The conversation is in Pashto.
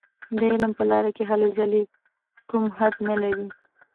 د علم په لاره کې هلې ځلې کوم حد نه لري.